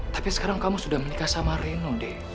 tapi sekarang kamu sudah menikah sama reno deh